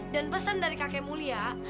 dan pesen dari kakek mulia